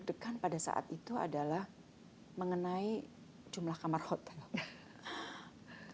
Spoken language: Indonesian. degan pada saat itu adalah mengenai jumlah kamar hotel